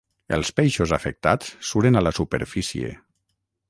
Els peixos afectats suren a la superfície.